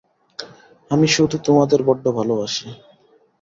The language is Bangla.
আমি শুধু তোমাদের বড্ড ভালোবাসি।